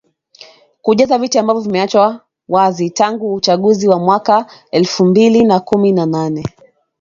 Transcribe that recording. kujaza viti ambavyo vimeachwa wazi tangu uachaguzi mkuu wa mwaka elfu mbili na kumi na nane